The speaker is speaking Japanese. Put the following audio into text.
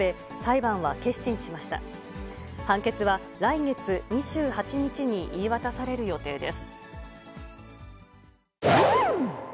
判決は来月２８日に言い渡される予定です。